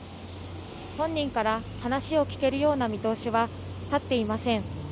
本人から話を聴けるような見通しは立っていません。